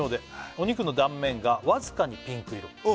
「お肉の断面がわずかにピンク色」